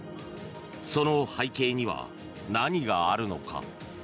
その背景には何があるのか。